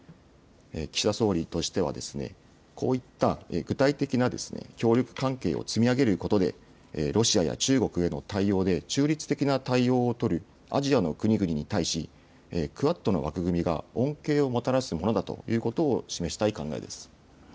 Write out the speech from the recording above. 岸田総理としては、こういった具体的な協力関係を積み上げることで、ロシアや中国への対応で中立的な対応を取るアジアの国々に対し、クアッドの枠組みが恩恵をもたらすものだということを示したい考えです。